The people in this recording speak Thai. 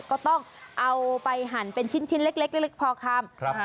ก็ต้องเอาไปหั่นเป็นชิ้นเล็กเล็กพอคำ